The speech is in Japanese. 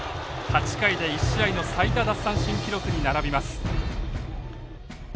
８回で１試合の最多奪三振記録に並びます。